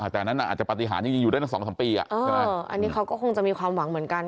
แต่อันนั้นอาจจะปฏิหารจริงอยู่ได้ตั้ง๒๓ปีอันนี้เขาก็คงจะมีความหวังเหมือนกัน